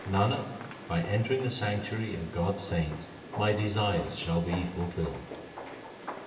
Nanak, by entering the sanctuary of God s saints my desires shall be fulfilled.